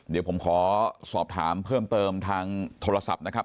เดี๋ยวผมขอสอบถามเพิ่มเติมทางโทรศัพท์นะครับ